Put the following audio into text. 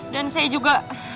dan saya juga